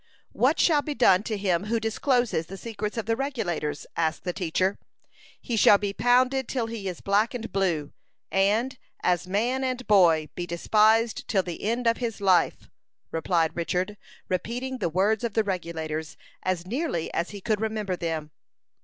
_" "What shall be done to him who discloses the secrets of the Regulators?" asked the teacher. "He shall be pounded till he is black and blue, and, as man and boy, be despised till the end of his life," replied Richard, repeating the words of the Regulators as nearly as he could remember them.